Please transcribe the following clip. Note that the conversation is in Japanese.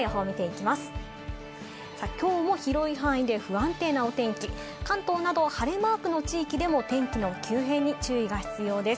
きょうも広い範囲で不安定なお天気、関東など晴れマークの地域でも天気の急変に注意が必要です。